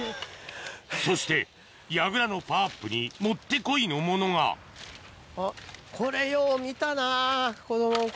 そして櫓のパワーアップにもってこいのものがあっこれよう見たな子供の頃。